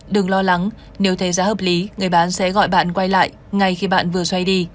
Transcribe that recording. đừng lo lắng nếu thấy giá hợp lý người bán sẽ gọi bạn quay lại ngay khi bạn vừa xoay đi